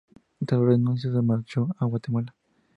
Tras la renuncia se marchó a Guatemala.